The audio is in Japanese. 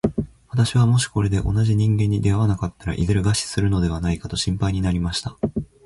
私はもしこれで同じ人間に出会わなかったら、いずれ餓死するのではないかと心配になりました。